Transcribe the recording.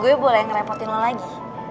gua boleh ngerepotin lu lagi